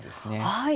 はい。